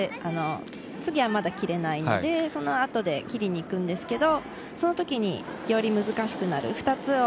次はまだ切れないので、その後で切りに行くんですけれど、そのあとでより難しくなる。